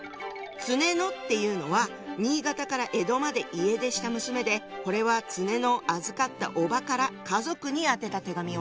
常野っていうのは新潟から江戸まで家出した娘でこれは常野を預かったおばから家族に宛てた手紙よ。